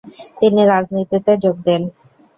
তিনি রাজনীতিতে যোগ দেন।